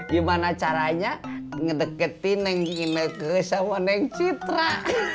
gimana caranya ngedeketin neng image sama neng citra